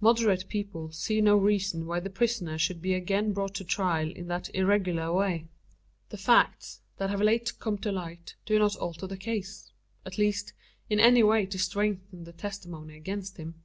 Moderate people see no reason why the prisoner should be again brought to trial in that irregular way. The facts, that have late come to light, do not alter the case at least, in any way to strengthen the testimony against him.